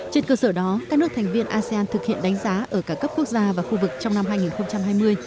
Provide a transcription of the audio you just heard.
trên cơ sở đó các nước thành viên asean thực hiện đánh giá ở cả cấp quốc gia và khu vực trong năm hai nghìn hai mươi